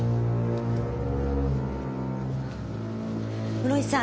室井さん